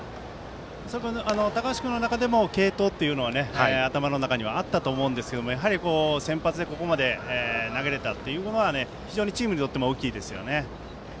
高橋君の中でも継投というのは頭の中にあったと思うんですけど先発でここまで投げれたことはチームにとっても大きいですね。